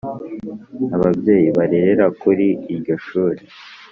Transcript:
Ababyeyi barerera kuri iryo shuri